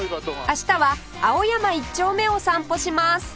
明日は青山一丁目を散歩します